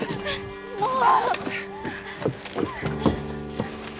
もう！